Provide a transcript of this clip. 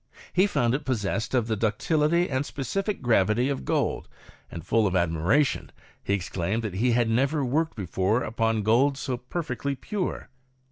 He found it possessed of the ducti lity and specific gravity of gold ; and full of admira tion, he exclaimed that he had never worked before upon gold so perfectly pure.